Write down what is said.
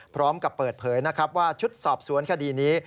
พร้อมกับเปิดเผยนะครับว่าชุดสอบสวนคดีนี้